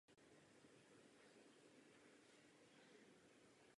Politicky aktivní byl i po vzniku Československa.